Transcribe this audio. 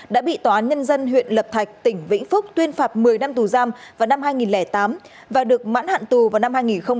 đã bị tòa án nhân dân huyện lập thạch tỉnh vĩnh phúc tuyên phạt một mươi năm tù giam vào năm hai nghìn tám và được mãn hạn tù vào năm hai nghìn một mươi